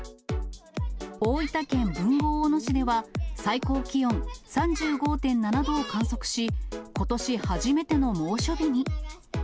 大分県豊後大野市では、最高気温３５．７度を観測し、ことし初めての猛暑日に。